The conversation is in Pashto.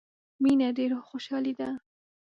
• مینه د روح خوشحالي ده.